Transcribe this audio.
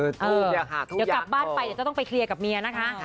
เดี๋ยวกลับบ้านไปเดี๋ยวจะต้องไปเคลียร์กับเมียนะคะ